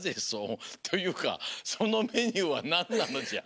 というかそのメニューはなんなのじゃ？